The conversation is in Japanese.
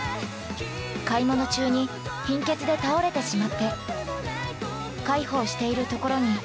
買い物中に貧血で倒れてしまって、介抱しているところに。